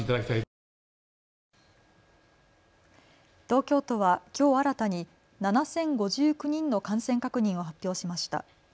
東京都はきょう新たに７０５９人の感染確認を発表しました。